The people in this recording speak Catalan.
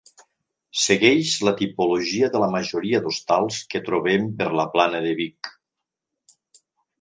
Segueix la tipologia de la majoria d'hostals que trobem per la Plana de Vic.